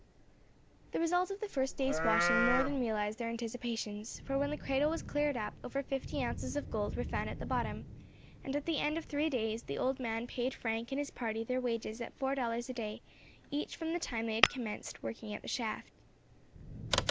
The result of the first day's washing more than realised their anticipations, for when the cradle was cleared up over fifty ounces of gold were found at the bottom; and at the end of three days the old man paid Frank and his party their wages at four dollars a day each from the time they had commenced working at the shaft.